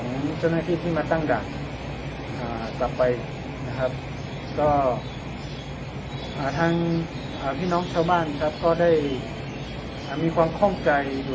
แนวที่ที่มาตั้งด่านอ่ากลับไป